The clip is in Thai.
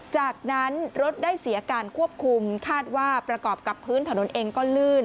จากนั้นรถได้เสียการควบคุมคาดว่าประกอบกับพื้นถนนเองก็ลื่น